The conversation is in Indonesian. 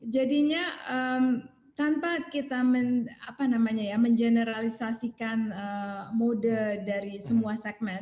jadinya tanpa kita mengeneralisasikan mode dari semua segmen